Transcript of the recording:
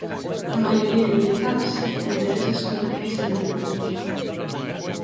A maioría dedicábase a intereses comerciais e marítimos.